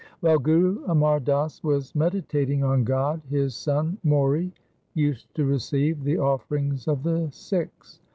While Guru Amar Das was medi tating on God, his son Mohri used to receive the offerings of the Sikhs.